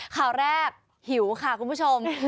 ข่าวแรกหิวค่ะคุณผู้ชม